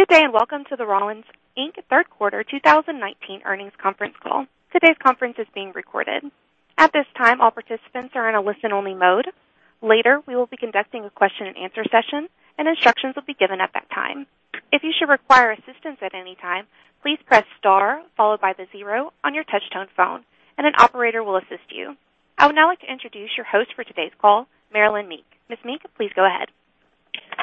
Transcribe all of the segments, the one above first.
Good day. Welcome to the Rollins, Inc. Third Quarter 2019 Earnings Conference Call. Today's conference is being recorded. At this time, all participants are in a listen-only mode. Later, we will be conducting a question and answer session, and instructions will be given at that time. If you should require assistance at any time, please press star followed by the zero on your touch-tone phone and an operator will assist you. I would now like to introduce your host for today's call, Marilyn Meek. Ms. Meek, please go ahead.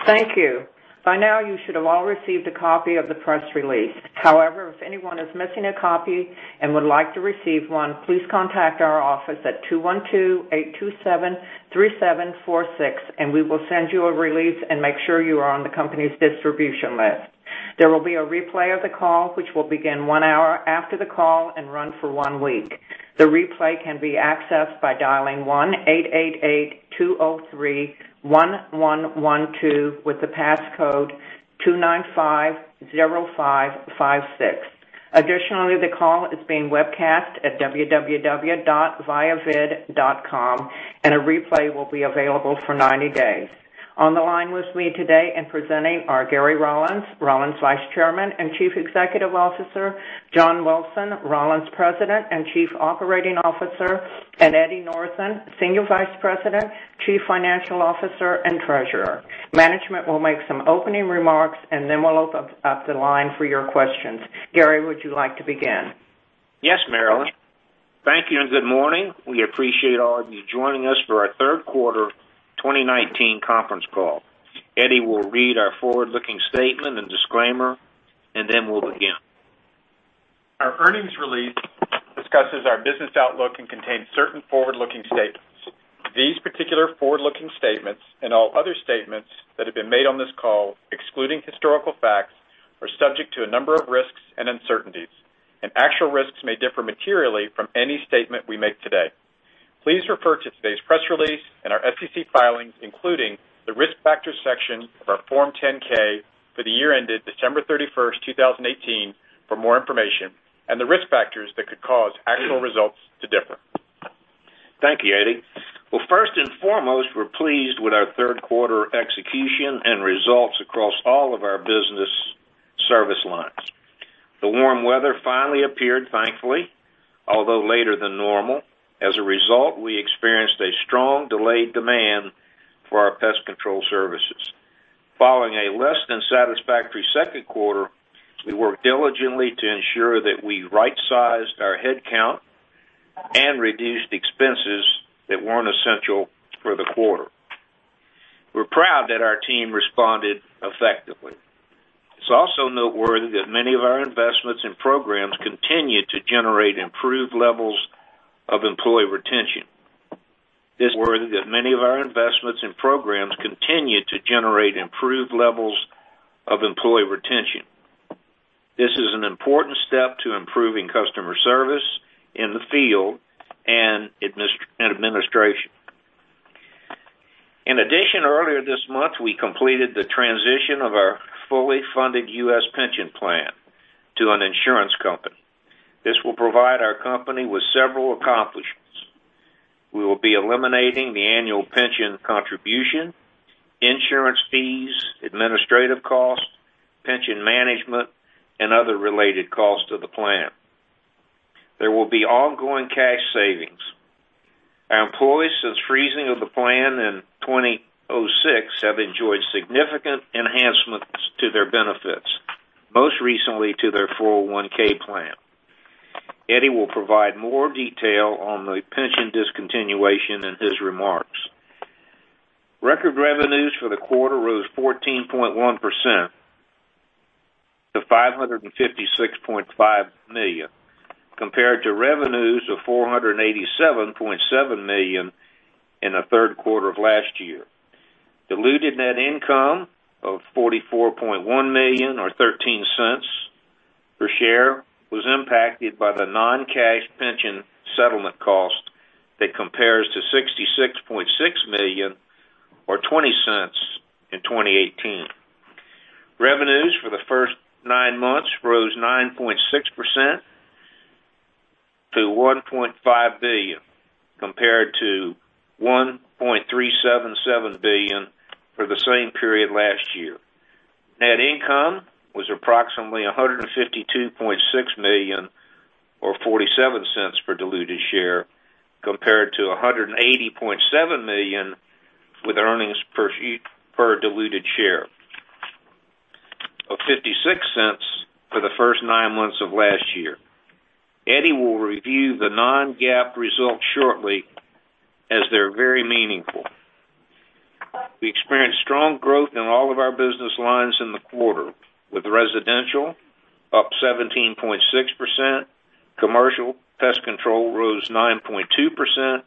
Thank you. By now you should have all received a copy of the press release. However, if anyone is missing a copy and would like to receive one, please contact our office at 212-827-3746 and we will send you a release and make sure you are on the company's distribution list. There will be a replay of the call, which will begin one hour after the call and run for one week. The replay can be accessed by dialing 1-888-203-1112 with the passcode 2950556. Additionally, the call is being webcast at www.viavid.com, and a replay will be available for 90 days. On the line with me today and presenting are Gary Rollins Vice Chairman and Chief Executive Officer, John Wilson, Rollins President and Chief Operating Officer, and Eddie Northen, Senior Vice President, Chief Financial Officer, and Treasurer. Management will make some opening remarks, and then we'll open up the line for your questions. Gary, would you like to begin? Yes, Marilynn. Thank you and good morning. We appreciate all of you joining us for our third quarter 2019 conference call. Eddie will read our forward-looking statement and disclaimer. Then we'll begin. Our earnings release discusses our business outlook and contains certain forward-looking statements. These particular forward-looking statements, and all other statements that have been made on this call excluding historical facts, are subject to a number of risks and uncertainties, and actual risks may differ materially from any statement we make today. Please refer to today's press release and our SEC filings, including the Risk Factors section of our Form 10-K for the year ended December 31st, 2018, for more information on the risk factors that could cause actual results to differ. Thank you, Eddie. Well, first and foremost, we're pleased with our third quarter execution and results across all of our business service lines. The warm weather finally appeared, thankfully, although later than normal. As a result, we experienced a strong delayed demand for our pest control services. Following a less than satisfactory second quarter, we worked diligently to ensure that we right-sized our headcount and reduced expenses that weren't essential for the quarter. We're proud that our team responded effectively. It's also noteworthy that many of our investments and programs continue to generate improved levels of employee retention. This is an important step to improving customer service in the field and administration. In addition, earlier this month, we completed the transition of our fully funded U.S. pension plan to an insurance company. This will provide our company with several accomplishments. We will be eliminating the annual pension contribution, insurance fees, administrative costs, pension management, and other related costs of the plan. There will be ongoing cash savings. Our employees, since freezing of the plan in 2006, have enjoyed significant enhancements to their benefits, most recently to their 401(k) plan. Eddie will provide more detail on the pension discontinuation in his remarks. Record revenues for the quarter rose 14.1% to $556.5 million, compared to revenues of $487.7 million in the third quarter of last year. Diluted net income of $44.1 million or $0.13 per share was impacted by the non-cash pension settlement cost that compares to $66.6 million or $0.20 in 2018. Revenues for the first nine months rose 9.6% to $1.5 billion, compared to $1.377 billion for the same period last year. Net income was approximately $152.6 million or $0.47 per diluted share compared to $180.7 million, with earnings per diluted share of $0.56 for the first nine months of last year. Eddie will review the non-GAAP results shortly, as they're very meaningful. We experienced strong growth in all of our business lines in the quarter, with residential up 17.6%, commercial pest control rose 9.2%,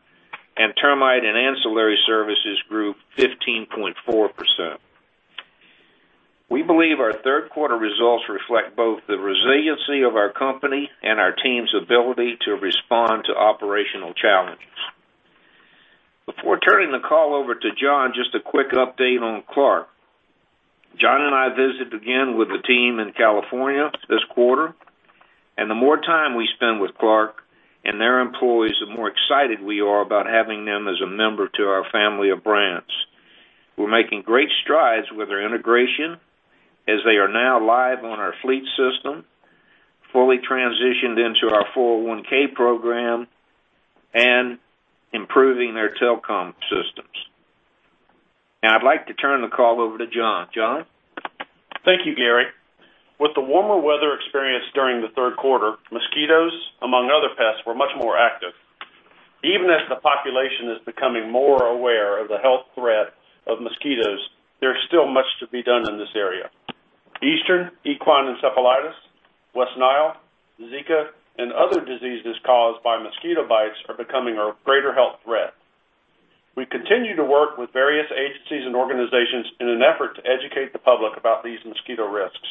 Termite and ancillary services grew 15.4%. We believe our third quarter results reflect both the resiliency of our company and our team's ability to respond to operational challenges. Before turning the call over to John, just a quick update on Clark. John and I visited again with the team in California this quarter. The more time we spend with Clark and their employees, the more excited we are about having them as a member to our family of brands. We're making great strides with our integration as they are now live on our fleet system, fully transitioned into our 401 program, and improving their telecom systems. Now I'd like to turn the call over to John. John? Thank you, Gary. With the warmer weather experienced during the third quarter, mosquitoes, among other pests, were much more active. Even as the population is becoming more aware of the health threat of mosquitoes, there's still much to be done in this area. Eastern equine encephalitis, West Nile, Zika, and other diseases caused by mosquito bites are becoming a greater health threat. We continue to work with various agencies and organizations in an effort to educate the public about these mosquito risks.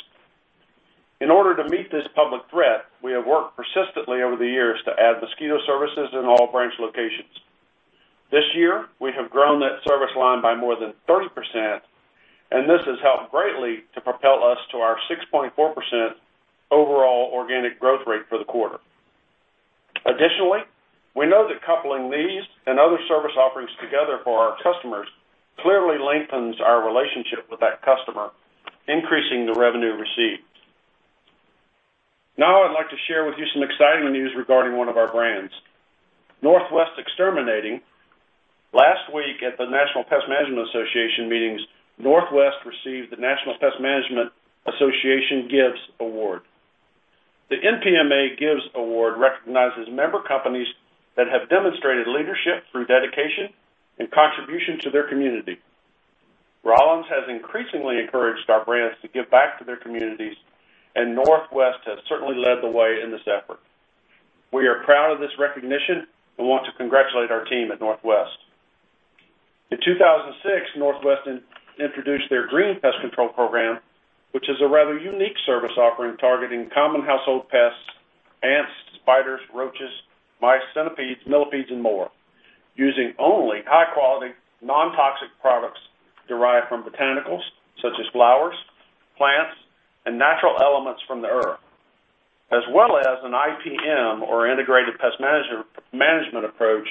In order to meet this public threat, we have worked persistently over the years to add mosquito services in all branch locations. This year, we have grown that service line by more than 30%, and this has helped greatly to propel us to our 6.4% overall organic growth rate for the quarter. Additionally, we know that coupling these and other service offerings together for our customers clearly lengthens our relationship with that customer, increasing the revenue received. Now I'd like to share with you some exciting news regarding one of our brands, Northwest Exterminating. Last week at the National Pest Management Association meetings, Northwest received the National Pest Management Association Gives Award. The NPMA Gives Award recognizes member companies that have demonstrated leadership through dedication and contribution to their community. Rollins has increasingly encouraged our brands to give back to their communities, and Northwest has certainly led the way in this effort. We are proud of this recognition and want to congratulate our team at Northwest. In 2006, Northwest introduced their Green Pest Control Program, which is a rather unique service offering targeting common household pests, ants, spiders, roaches, mice, centipedes, millipedes, and more, using only high-quality, non-toxic products derived from botanicals such as flowers, plants, and natural elements from the earth, as well as an IPM, or Integrated Pest Management approach,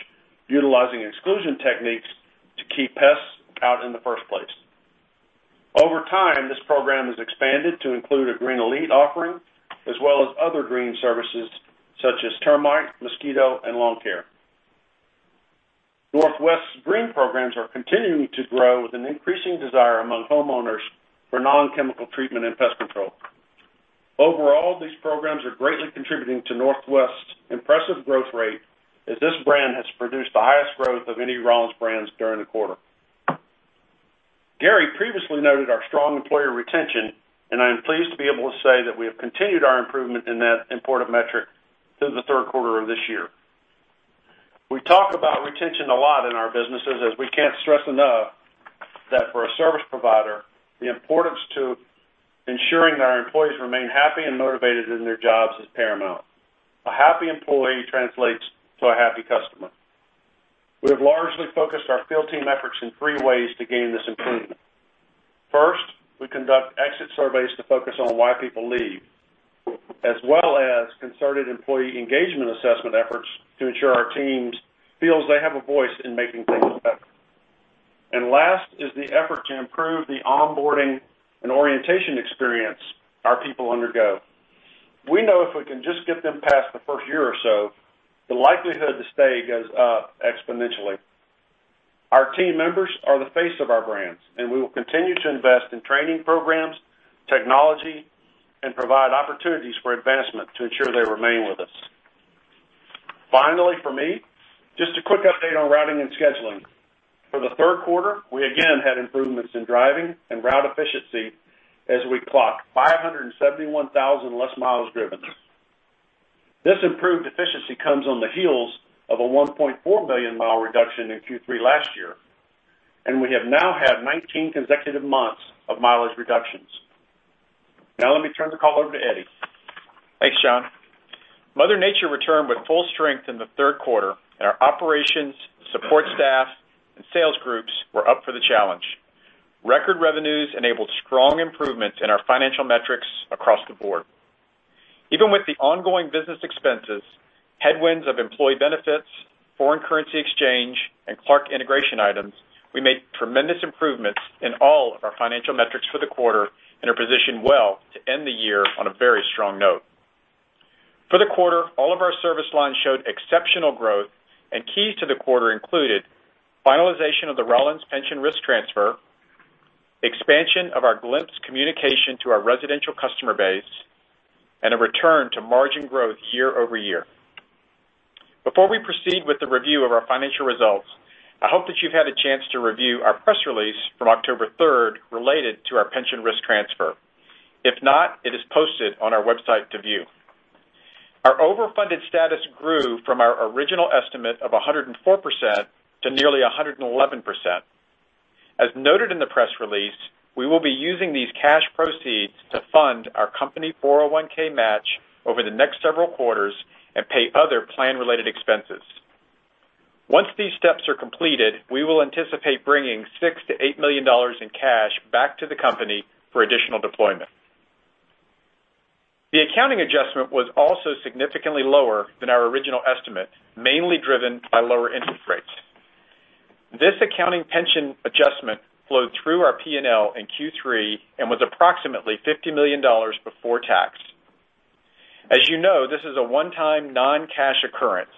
utilizing exclusion techniques to keep pests out in the first place. Over time, this program has expanded to include a Green Elite offering, as well as other green services such as termite, mosquito, and lawn care. Northwest's green programs are continuing to grow with an increasing desire among homeowners for non-chemical treatment and pest control. Overall, these programs are greatly contributing to Northwest's impressive growth rate, as this brand has produced the highest growth of any Rollins brands during the quarter. Gary previously noted our strong employee retention, and I am pleased to be able to say that we have continued our improvement in that important metric through the third quarter of this year. We talk about retention a lot in our businesses, as we can't stress enough that for a service provider, the importance to ensuring that our employees remain happy and motivated in their jobs is paramount. A happy employee translates to a happy customer. We have largely focused our field team efforts in three ways to gain this improvement. First, we conduct exit surveys to focus on why people leave, as well as concerted employee engagement assessment efforts to ensure our teams feel they have a voice in making things better. Last is the effort to improve the onboarding and orientation experience our people undergo. We know if we can just get them past the first year or so, the likelihood to stay goes up exponentially. Our team members are the face of our brands, and we will continue to invest in training programs, technology, and provide opportunities for advancement to ensure they remain with us. Finally, for me, just a quick update on routing and scheduling. For the third quarter, we again had improvements in driving and route efficiency as we clocked 571,000 less miles driven. This improved efficiency comes on the heels of a 1.4 million mile reduction in Q3 last year, and we have now had 19 consecutive months of mileage reductions. Now let me turn the call over to Eddie. Thanks, John. Mother Nature returned with full strength in the third quarter, and our operations, support staff, and sales groups were up for the challenge. Record revenues enabled strong improvements in our financial metrics across the board. Even with the ongoing business expenses, headwinds of employee benefits, foreign currency exchange, and Clark integration items, we made tremendous improvements in all of our financial metrics for the quarter and are positioned well to end the year on a very strong note. For the quarter, all of our service lines showed exceptional growth and keys to the quarter included finalization of the Rollins pension risk transfer, expansion of our Glimpse communication to our residential customer base, and a return to margin growth year-over-year. Before we proceed with the review of our financial results, I hope that you've had a chance to review our press release from October 3rd related to our pension risk transfer. If not, it is posted on our website to view. Our overfunded status grew from our original estimate of 104% to nearly 111%. As noted in the press release, we will be using these cash proceeds to fund our company 401 match over the next several quarters and pay other plan-related expenses. Once these steps are completed, we will anticipate bringing $6 million-$8 million in cash back to the company for additional deployment. The accounting adjustment was also significantly lower than our original estimate, mainly driven by lower interest rates. This accounting pension adjustment flowed through our P&L in Q3 and was approximately $50 million before tax. As you know, this is a one-time non-cash occurrence.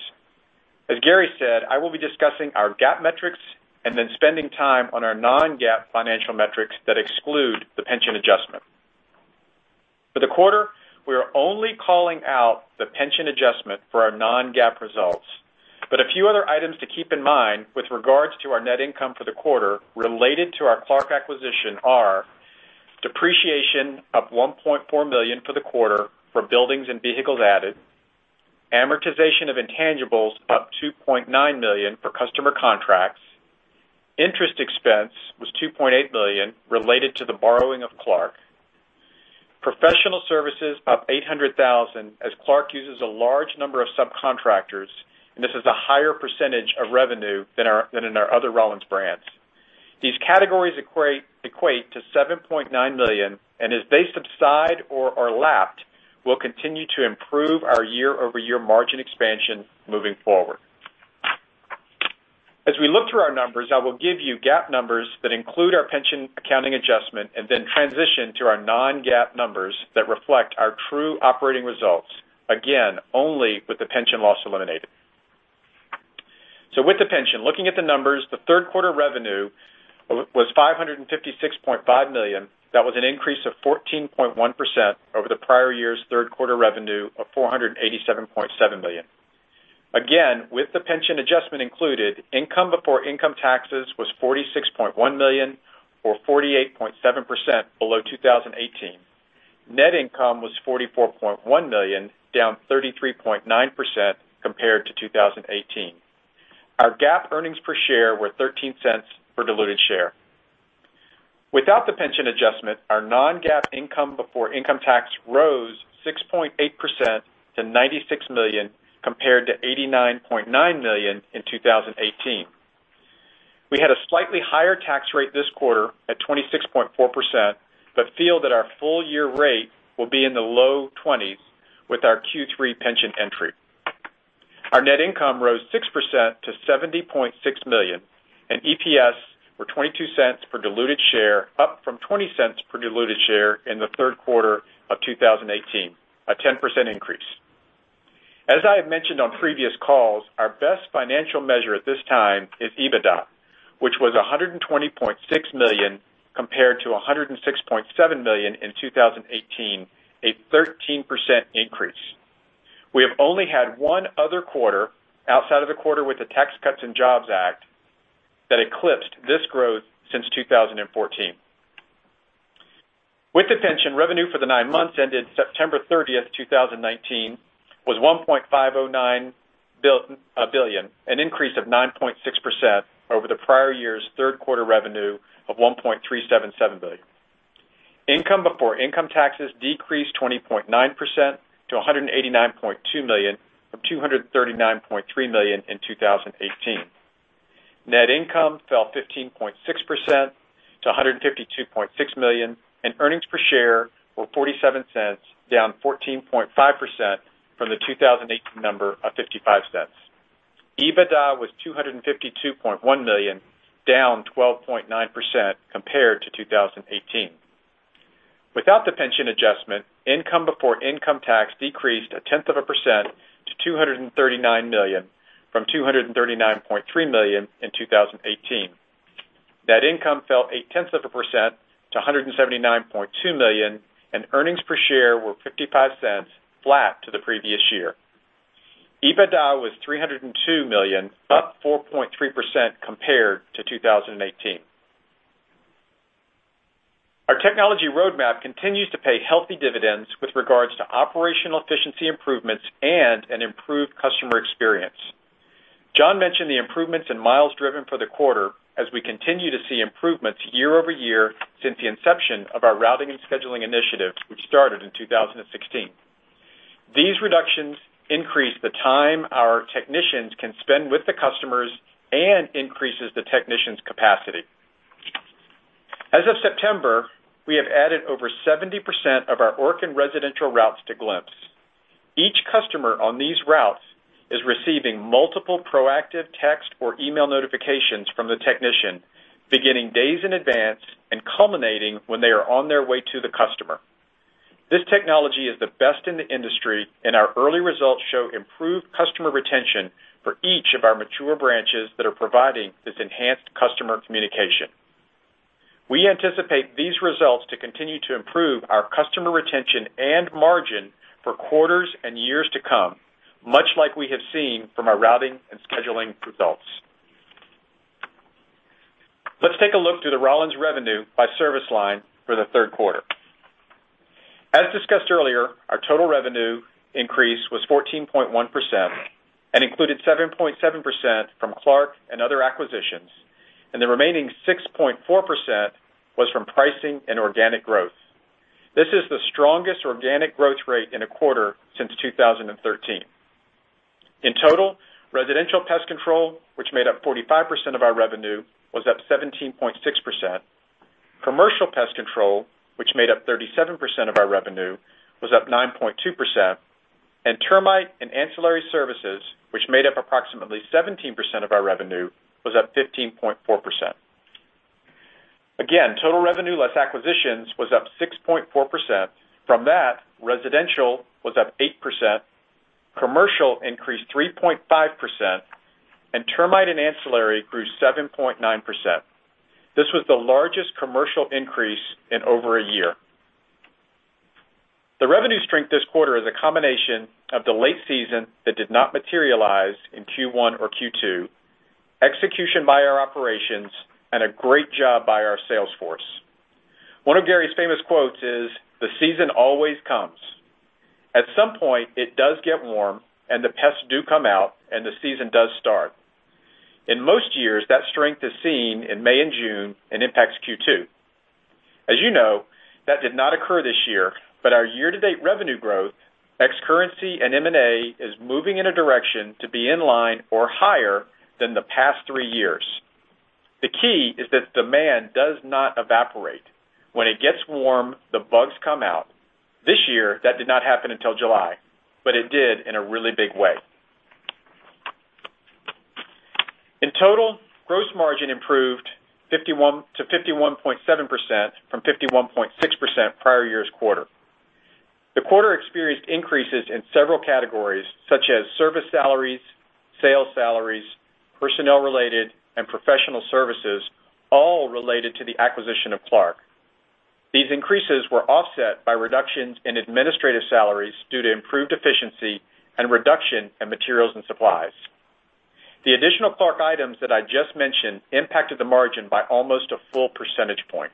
As Gary said, I will be discussing our GAAP metrics and then spending time on our non-GAAP financial metrics that exclude the pension adjustment. For the quarter, we are only calling out the pension adjustment for a non-GAAP results. A few other items to keep in mind with regards to our net income for the quarter related to our Clark acquisition are depreciation of $1.4 million for the quarter for buildings and vehicles added, amortization of intangibles up $2.9 million for customer contracts. Interest expense was $2.8 million related to the borrowing of Clark. Professional services up $800,000, as Clark uses a large number of subcontractors, and this is a higher percentage of revenue than in our other Rollins brands. These categories equate to $7.9 million, as they subside or are lapped, will continue to improve our year-over-year margin expansion moving forward. As we look through our numbers, I will give you GAAP numbers that include our pension accounting adjustment then transition to our non-GAAP numbers that reflect our true operating results, again, only with the pension loss eliminated. With the pension, looking at the numbers, the third quarter revenue was $556.5 million. That was an increase of 14.1% over the prior year's third quarter revenue of $487.7 million. Again, with the pension adjustment included, income before income taxes was $46.1 million, or 48.7% below 2018. Net income was $44.1 million, down 33.9% compared to 2018. Our GAAP earnings per share were $0.13 per diluted share. Without the pension adjustment, our non-GAAP income before income tax rose 6.8% to $96 million, compared to $89.9 million in 2018. We had a slightly higher tax rate this quarter at 26.4%, but feel that our full year rate will be in the low 20s with our Q3 pension entry. Our net income rose 6% to $70.6 million, and EPS were $0.22 per diluted share, up from $0.20 per diluted share in the third quarter of 2018, a 10% increase. As I have mentioned on previous calls, our best financial measure at this time is EBITDA, which was $120.6 million, compared to $106.7 million in 2018, a 13% increase. We have only had one other quarter outside of the quarter with the Tax Cuts and Jobs Act that eclipsed this growth since 2014. With the pension, revenue for the nine months ended September 30th, 2019 was $1.509 billion, an increase of 9.6% over the prior year's third quarter revenue of $1.377 billion. Income before income taxes decreased 20.9% to $189.2 million from $239.3 million in 2018. Net income fell 15.6% to $152.6 million, and earnings per share were $0.47, down 14.5% from the 2018 number of $0.55. EBITDA was $252.1 million, down 12.9% compared to 2018. Without the pension adjustment, income before income tax decreased 0.1% to $239 million from $239.3 million in 2018. Net income fell 0.8% to $179.2 million, and earnings per share were $0.55, flat to the previous year. EBITDA was $302 million, up 4.3% compared to 2018. Our technology roadmap continues to pay healthy dividends with regards to operational efficiency improvements and an improved customer experience. John mentioned the improvements in miles driven for the quarter as we continue to see improvements year-over-year since the inception of our routing and scheduling initiatives, which started in 2016. These reductions increase the time our technicians can spend with the customers and increases the technicians' capacity. As of September, we have added over 70% of our Orkin residential routes to Glimpse. Each customer on these routes is receiving multiple proactive text or email notifications from the technician, beginning days in advance and culminating when they are on their way to the customer. This technology is the best in the industry, and our early results show improved customer retention for each of our mature branches that are providing this enhanced customer communication. We anticipate these results to continue to improve our customer retention and margin for quarters and years to come, much like we have seen from our routing and scheduling results. Let's take a look through the Rollins revenue by service line for the third quarter. As discussed earlier, our total revenue increase was 14.1% and included 7.7% from Clark and other acquisitions, and the remaining 6.4% was from pricing and organic growth. This is the strongest in a quarter since 2013. In total, residential pest control, which made up 45% of our revenue, was up 17.6%. Commercial pest control, which made up 37% of our revenue, was up 9.2%, and termite and ancillary services, which made up approximately 17% of our revenue, was up 15.4%. Again, total revenue less acquisitions was up 6.4%. From that, residential was up 8%, commercial increased 3.5%, and termite and ancillary grew 7.9%. This was the largest commercial increase in over a year. The revenue strength this quarter is a combination of the late season that did not materialize in Q1 or Q2, execution by our operations, and a great job by our sales force. One of Gary's famous quotes is, "The season always comes." At some point, it does get warm, and the pests do come out, and the season does start. In most years, that strength is seen in May and June and impacts Q2. As you know, that did not occur this year, but our year-to-date revenue growth, ex currency and M&A, is moving in a direction to be in line or higher than the past three years. The key is that demand does not evaporate. When it gets warm, the bugs come out. This year, that did not happen until July, but it did in a really big way. In total, gross margin improved to 51.7% from 51.6% prior year's quarter. The quarter experienced increases in several categories, such as service salaries, sales salaries, personnel-related and professional services, all related to the acquisition of Clark. These increases were offset by reductions in administrative salaries due to improved efficiency and reduction in materials and supplies. The additional Clark items that I just mentioned impacted the margin by almost a full percentage point.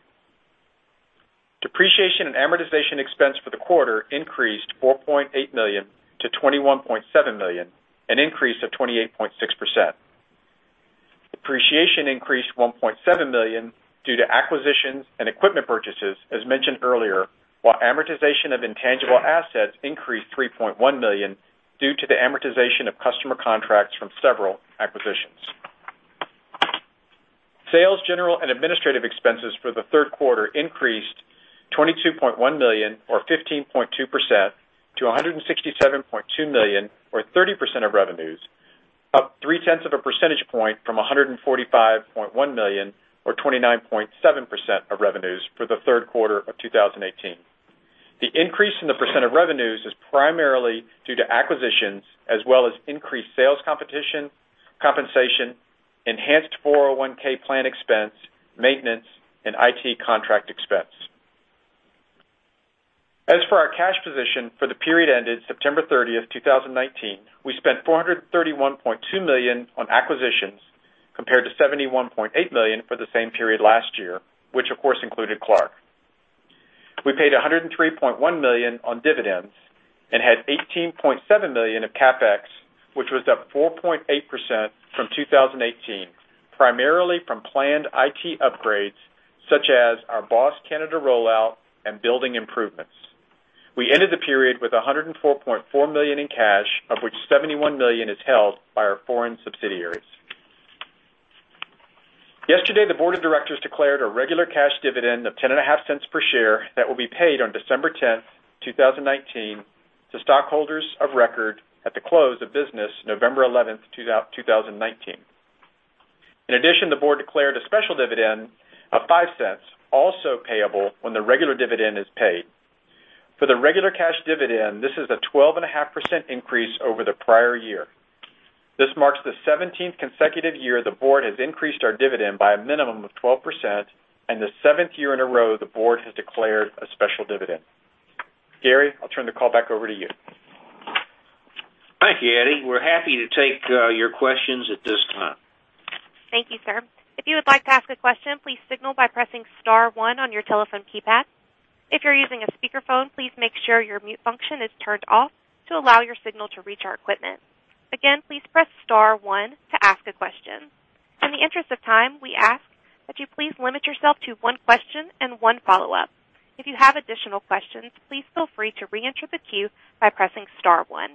Depreciation and amortization expense for the quarter increased $4.8 million to $21.7 million, an increase of 28.6%. Depreciation increased $1.7 million due to acquisitions and equipment purchases, as mentioned earlier, while amortization of intangible assets increased $3.1 million due to the amortization of customer contracts from several acquisitions. Sales, general, and administrative expenses for the third quarter increased $22.1 million or 15.2% to $167.2 million or 30% of revenues, up 0.3 percentage points from $145.1 million or 29.7% of revenues for the third quarter of 2018. The increase in the percent of revenues is primarily due to acquisitions as well as increased sales compensation, enhanced 401 plan expense, maintenance, and IT contract expense. As for our cash position for the period ended September 30th, 2019, we spent $431.2 million on acquisitions compared to $71.8 million for the same period last year, which of course included Clark. We paid $103.1 million on dividends and had $18.7 million of CapEx, which was up 4.8% from 2018, primarily from planned IT upgrades such as our BOSS Canada rollout and building improvements. We ended the period with $104.4 million in cash, of which $71 million is held by our foreign subsidiaries. Yesterday, the board of directors declared a regular cash dividend of $0.105 per share that will be paid on December 10th, 2019, to stockholders of record at the close of business November 11th, 2019. In addition, the board declared a special dividend of $0.05, also payable when the regular dividend is paid. For the regular cash dividend, this is a 12.5% increase over the prior year. This marks the 17th consecutive year the board has increased our dividend by a minimum of 12% and the seventh year in a row the board has declared a special dividend. Gary, I'll turn the call back over to you. Thank you, Eddie. We're happy to take your questions at this time. Thank you, sir. If you would like to ask a question, please signal by pressing star one on your telephone keypad. If you're using a speakerphone, please make sure your mute function is turned off to allow your signal to reach our equipment. Again, please press star one to ask a question. In the interest of time, we ask that you please limit yourself to one question and one follow-up. If you have additional questions, please feel free to re-enter the queue by pressing star one.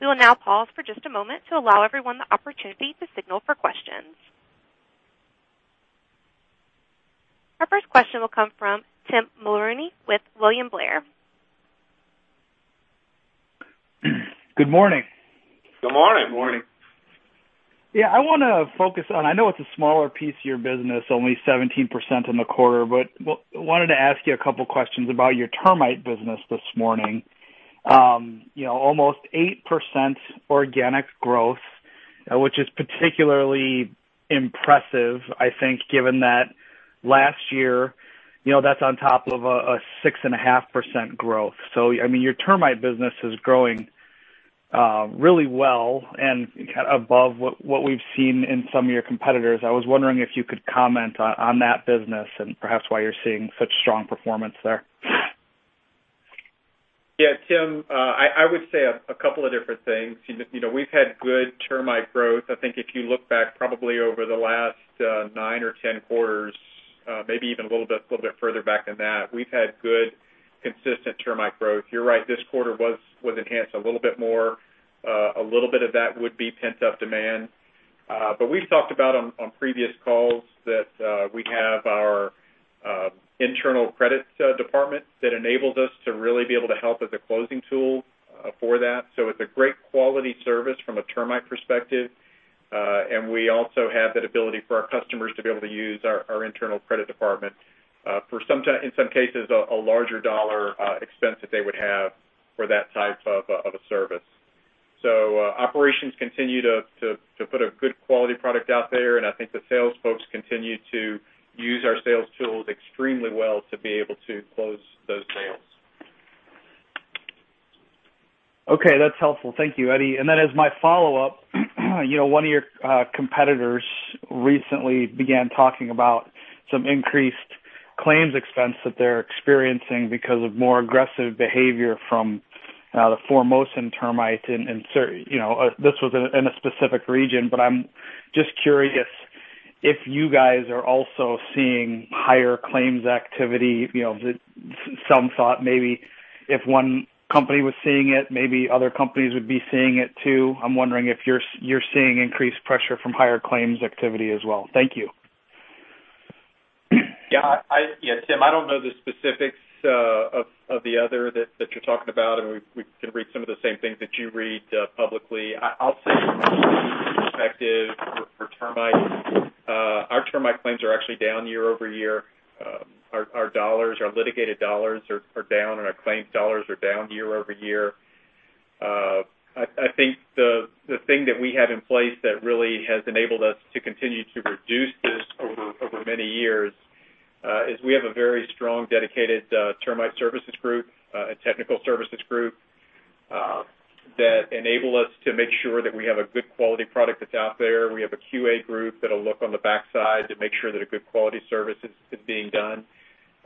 We will now pause for just a moment to allow everyone the opportunity to signal for questions. Our first question will come from Tim Mulrooney with William Blair. Good morning. Good morning. Good morning. Yeah. I want to focus on, I know it's a smaller piece of your business, only 17% in the quarter, but wanted to ask you a couple questions about your termite business this morning. Almost 8% organic growth, which is particularly impressive, I think, given that last year, that's on top of a 6.5% growth. I mean, your termite business is growing really well and above what we've seen in some of your competitors. I was wondering if you could comment on that business and perhaps why you're seeing such strong performance there. Yeah, Tim, I would say a couple of different things. We've had good termite growth. I think if you look back probably over the last nine or 10 quarters maybe even a little bit further back than that. We've had good, consistent termite growth. You're right, this quarter was enhanced a little bit more. A little bit of that would be pent-up demand. We've talked about on previous calls that we have our internal credits department that enables us to really be able to help as a closing tool for that. It's a great quality service from a termite perspective. We also have that ability for our customers to be able to use our internal credit department, in some cases, a larger dollar expense that they would have for that type of a service. Operations continue to put a good quality product out there, and I think the sales folks continue to use our sales tools extremely well to be able to close those sales. Okay. That's helpful. Thank you, Eddie. Then as my follow-up, one of your competitors recently began talking about some increased claims expense that they're experiencing because of more aggressive behavior from the Formosan termites. This was in a specific region, but I'm just curious if you guys are also seeing higher claims activity. Some thought maybe if one company was seeing it, maybe other companies would be seeing it too. I'm wondering if you're seeing increased pressure from higher claims activity as well. Thank you. Yeah. Tim, I don't know the specifics of the other that you're talking about, and we can read some of the same things that you read publicly. I'll say from a termite perspective, our termite claims are actually down year-over-year. Our litigated dollars are down, and our claims dollars are down year-over-year. I think the thing that we have in place that really has enabled us to continue to reduce this over many years, is we have a very strong, dedicated termite services group, a technical services group that enable us to make sure that we have a good quality product that's out there. We have a QA group that'll look on the backside to make sure that a good quality service is being done.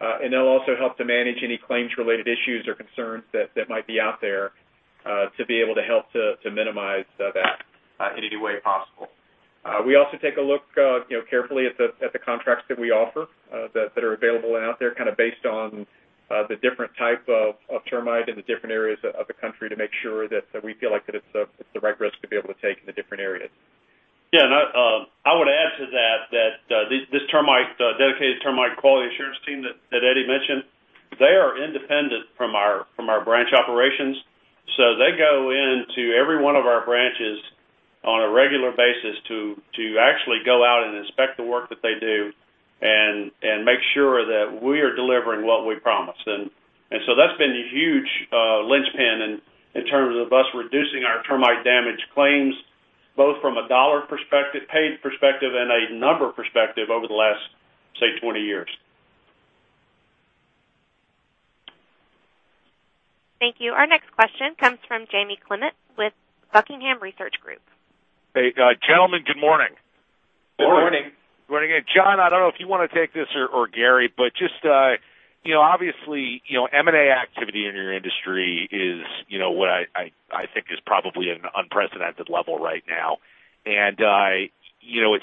They'll also help to manage any claims-related issues or concerns that might be out there, to be able to help to minimize that in any way possible. We also take a look carefully at the contracts that we offer that are available and out there based on the different type of termite in the different areas of the country to make sure that we feel like that it's the right risk to be able to take in the different areas. I would add to that, this dedicated termite quality assurance team that Eddie mentioned, they are independent from our branch operations. They go into every one of our branches on a regular basis to actually go out and inspect the work that they do and make sure that we are delivering what we promise. That's been a huge linchpin in terms of us reducing our termite damage claims, both from a dollar perspective, paid perspective, and a number perspective over the last, say, 20 years. Thank you. Our next question comes from Jamie Clement with Buckingham Research Group. Hey, gentlemen. Good morning. Good morning. Good morning. Good morning again. John, I don't know if you want to take this or Gary, just obviously, M&A activity in your industry is what I think is probably at an unprecedented level right now. It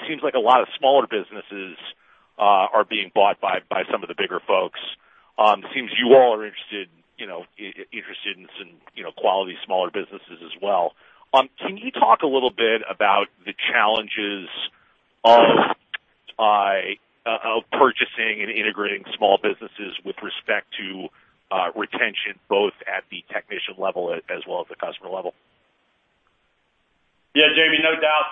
seems like a lot of smaller businesses are being bought by some of the bigger folks. It seems you all are interested in some quality smaller businesses as well. Can you talk a little bit about the challenges of purchasing and integrating small businesses with respect to retention, both at the technician level as well as the customer level? Yeah, Jamie, no doubt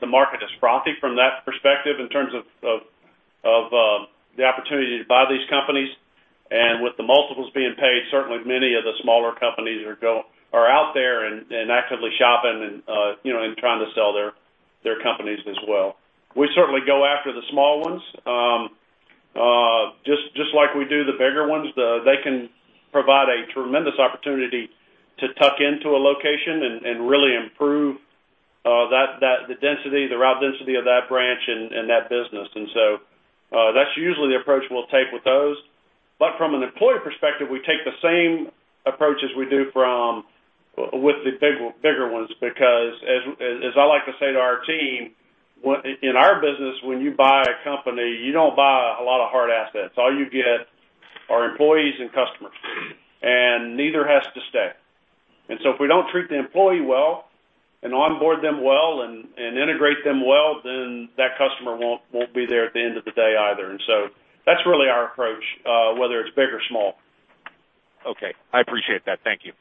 the market is frothy from that perspective in terms of the opportunity to buy these companies. With the multiples being paid, certainly many of the smaller companies are out there and actively shopping and trying to sell their companies as well. We certainly go after the small ones. Just like we do the bigger ones, they can provide a tremendous opportunity to tuck into a location and really improve the route density of that branch and that business. So, that's usually the approach we'll take with those. From an employee perspective, we take the same approach as we do with the bigger ones, because as I like to say to our team, in our business, when you buy a company, you don't buy a lot of hard assets. All you get are employees and customers, and neither has to stay. If we don't treat the employee well and onboard them well and integrate them well, then that customer won't be there at the end of the day either. That's really our approach, whether it's big or small. Okay. I appreciate that. Thank you.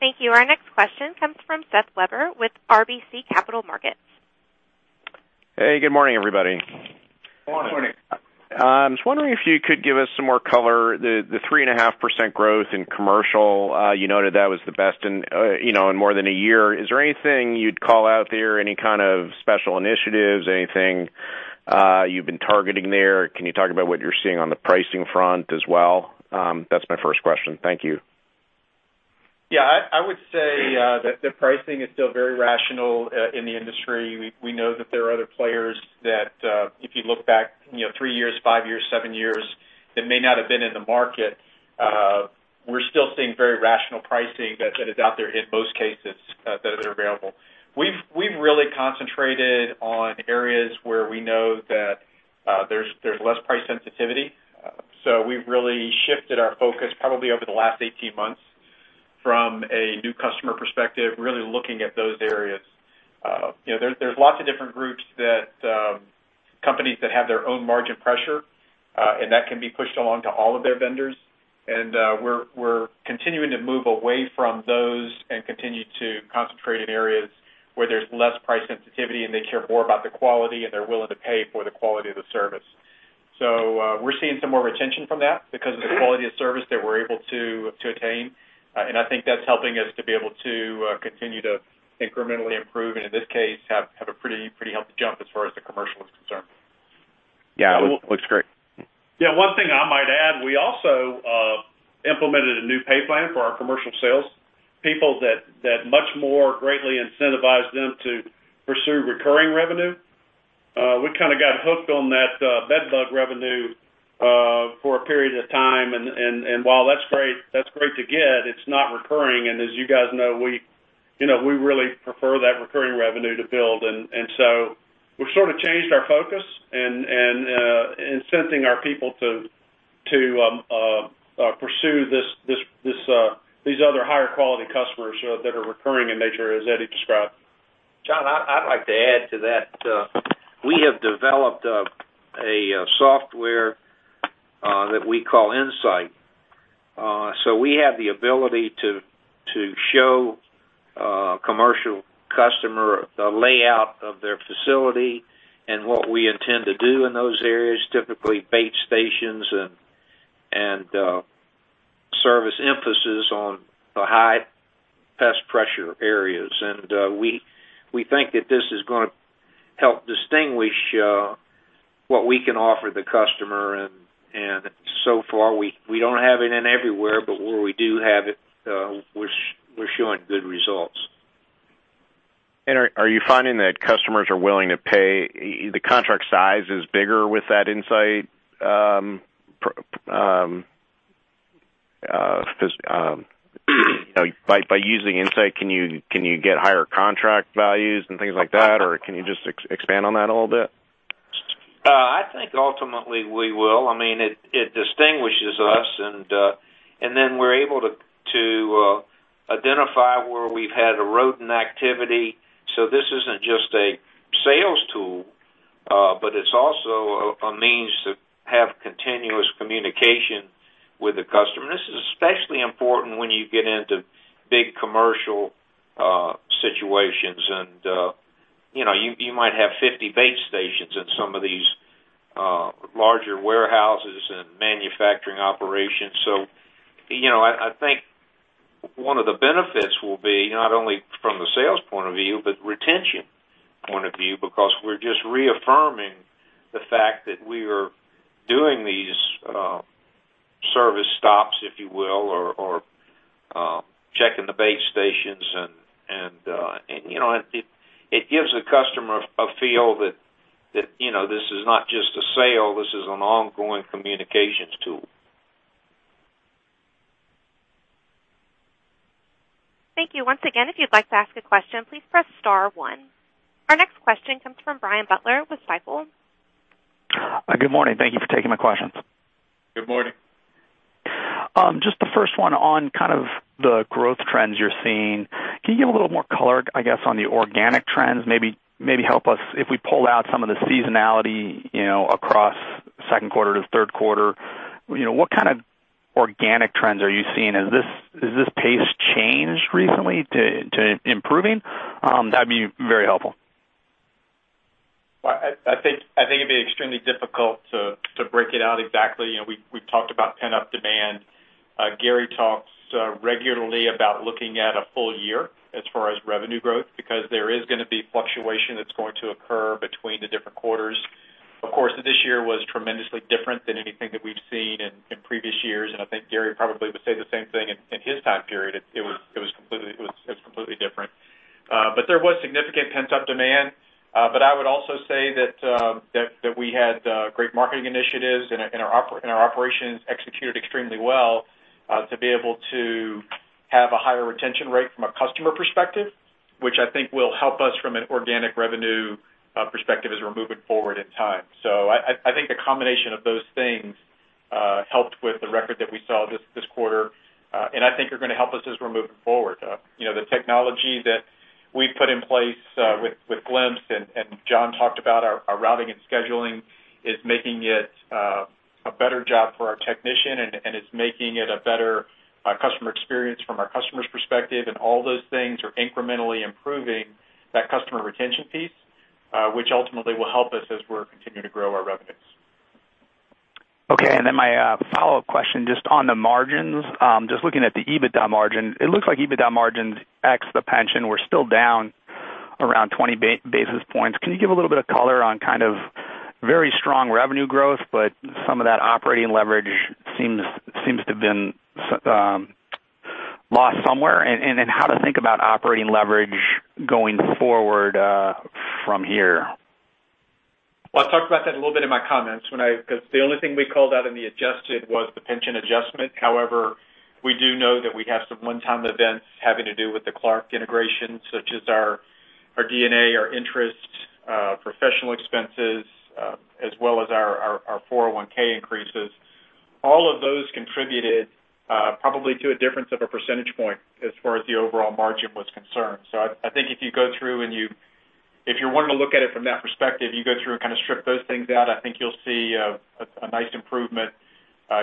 Thank you. Our next question comes from Seth Weber with RBC Capital Markets. Hey, good morning, everybody. Good morning. Good morning. I'm just wondering if you could give us some more color, the 3.5% growth in commercial, you noted that was the best in more than one year. Is there anything you'd call out there, any kind of special initiatives, anything you've been targeting there? Can you talk about what you're seeing on the pricing front as well? That's my first question. Thank you. Yeah. I would say that the pricing is still very rational in the industry. We know that there are other players that, if you look back three years, five years, seven years that may not have been in the market. We're still seeing very rational pricing that is out there in most cases that are available. We've really concentrated on areas where we know that there's less price sensitivity. We've really shifted our focus probably over the last 18 months from a new customer perspective, really looking at those areas. There's lots of different groups, companies that have their own margin pressure, and that can be pushed along to all of their vendors. We're continuing to move away from those and continue to concentrate in areas where there's less price sensitivity, and they care more about the quality, and they're willing to pay for the quality of the service. We're seeing some more retention from that because of the quality of service that we're able to attain. I think that's helping us to be able to continue to incrementally improve and in this case, have a pretty healthy jump as far as the commercial is concerned. Yeah. Looks great. Yeah. One thing I might add, we also implemented a new pay plan for our commercial sales people that much more greatly incentivize them to pursue recurring revenue. We got hooked on that bedbug revenue for a period of time. While that's great to get, it's not recurring. As you guys know, we really prefer that recurring revenue to build. We've changed our focus and incenting our people to pursue these other higher quality customers that are recurring in nature as Eddie described. John, I'd like to add to that. We have developed a software that we call InSite. We have the ability to show commercial customer the layout of their facility and what we intend to do in those areas, typically bait stations and service emphasis on the high pest pressure areas. We think that this is going to help distinguish what we can offer the customer and so far, we don't have it in everywhere, but where we do have it, we're showing good results. Are you finding that customers are willing to pay, the contract size is bigger with that InSite? By using InSite, can you get higher contract values and things like that? Can you just expand on that a little bit? I think ultimately we will. It distinguishes us. We're able to identify where we've had a rodent activity. This isn't just a sales tool, but it's also a means to have continuous communication with the customer. This is especially important when you get into big commercial situations. You might have 50 base stations in some of these larger warehouses and manufacturing operations. I think one of the benefits will be not only from the sales point of view, but retention point of view, because we're just reaffirming the fact that we are doing these service stops, if you will, or checking the bait stations and it gives the customer a feel that this is not just a sale, this is an ongoing communications tool. Thank you. Once again, if you'd like to ask a question, please press star one. Our next question comes from Brian Butler with Stifel. Good morning. Thank you for taking my questions. Good morning. Just the first one on the growth trends you're seeing. Can you give a little more color, I guess, on the organic trends? Maybe help us if we pull out some of the seasonality, across second quarter to third quarter, what kind of organic trends are you seeing? Has this pace changed recently to improving? That'd be very helpful. I think it'd be extremely difficult to break it out exactly. We've talked about pent-up demand. Gary talks regularly about looking at a full year as far as revenue growth, because there is going to be fluctuation that's going to occur between the different quarters. Of course, this year was tremendously different than anything that we've seen in previous years. I think Gary probably would say the same thing in his time period. It was completely different. There was significant pent-up demand. I would also say that we had great marketing initiatives and our operations executed extremely well, to be able to have a higher retention rate from a customer perspective, which I think will help us from an organic revenue perspective as we're moving forward in time. I think the combination of those things, helped with the record that we saw this quarter, and I think are going to help us as we're moving forward. The technology that we've put in place with Glimpse and John talked about our routing and scheduling is making it a better job for our technician, and it's making it a better customer experience from our customer's perspective. All those things are incrementally improving that customer retention piece, which ultimately will help us as we're continuing to grow our revenues. Okay. My follow-up question, just on the margins. Just looking at the EBITDA margin. It looks like EBITDA margins ex the pension were still down around 20 basis points. Can you give a little bit of color on very strong revenue growth, but some of that operating leverage seems to have been lost somewhere, and how to think about operating leverage going forward from here? Well, I talked about that a little bit in my comments. Because the only thing we called out in the adjusted was the pension adjustment. However, we do know that we have some one-time events having to do with the Clark integration, such as our D&A, our interest, professional expenses, as well as our 401(k) increases. All of those contributed probably to a difference of a percentage point as far as the overall margin was concerned. I think if you go through and If you're wanting to look at it from that perspective, you go through and kind of strip those things out, I think you'll see a nice improvement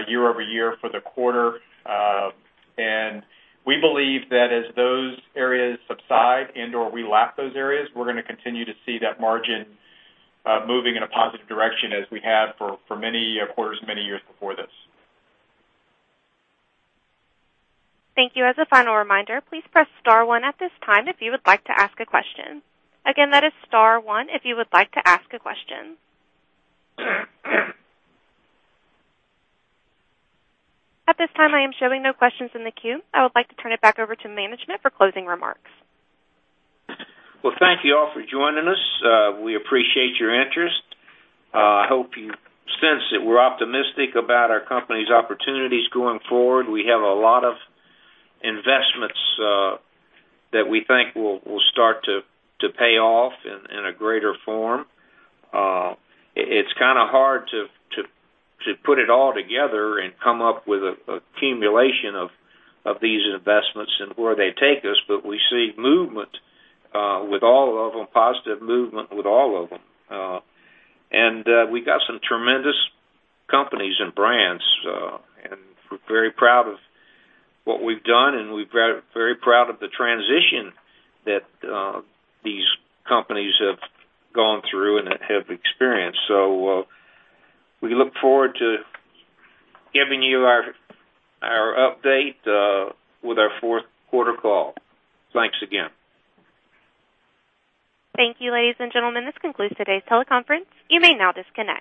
year-over-year for the quarter. We believe that as those areas subside and/or we lap those areas, we're going to continue to see that margin moving in a positive direction as we have for many quarters, many years before this. Thank you. As a final reminder, please press star one at this time if you would like to ask a question. Again, that is star one if you would like to ask a question. At this time, I am showing no questions in the queue. I would like to turn it back over to management for closing remarks. Well, thank you all for joining us. We appreciate your interest. I hope you sense that we're optimistic about our company's opportunities going forward. We have a lot of investments that we think will start to pay off in a greater form. It's kind of hard to put it all together and come up with an accumulation of these investments and where they take us, but we see movement with all of them, positive movement with all of them. We got some tremendous companies and brands, and we're very proud of what we've done, and we're very proud of the transition that these companies have gone through and have experienced. We look forward to giving you our update with our fourth quarter call. Thanks again. Thank you, ladies and gentlemen. This concludes today's teleconference. You may now disconnect.